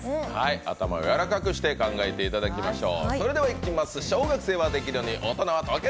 頭をやわらかくして考えていただきましょう。